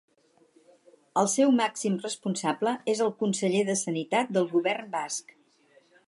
El seu màxim responsable és el Conseller de Sanitat del Govern Basc.